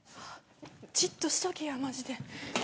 じっとしておけやマジで。